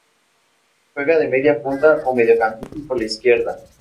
Juega de media punta o mediocampista por la izquierda.